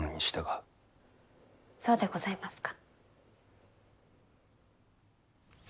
そうでございますか。